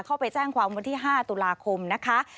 เข้าไปแจ้งความวันที่๕ตุลาคมนะคะ